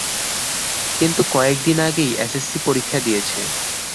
কিন্তু কয়েকদিন আগেই এসএসসি পরীক্ষা দিয়েছে।